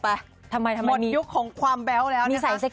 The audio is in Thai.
ทำไมมีมีใส่เซ็กซี่มาคนใหม่เหรอหมดยุคของความแบ๊วแล้ว